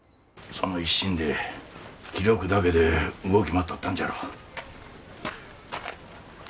その一心で気力だけで動き回っとったんじゃろう。